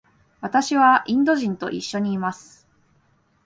私はインド人と一緒にいます。